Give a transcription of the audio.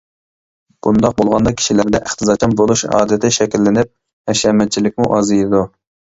بۇنداق بولغاندا كىشىلەردە ئىقتىسادچان بولۇش ئادىتى شەكىللىنىپ، ھەشەمەتچىلىكمۇ ئازىيىدۇ.